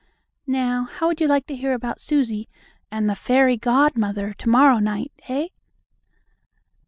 Now, how would you like to hear about Susie and the fairy godmother to morrow night, eh?